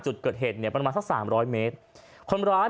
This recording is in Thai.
จุดเกิดเหตุเนี่ยประมาณสักสามร้อยเมตรคนร้าย